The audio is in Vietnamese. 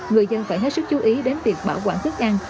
người dân phải hết sức chú ý đến việc bảo quản thức ăn